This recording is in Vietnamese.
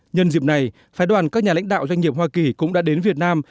nhân dịp này phái đoàn các nhà lãnh đạo doanh nghiệp hoa kỳ cũng đã đến việt nam